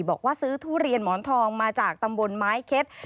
บอกว่าซื้อทุเรียนหมอนทองมาจากตำบลไม้เค็ด